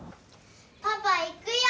パパ行くよ！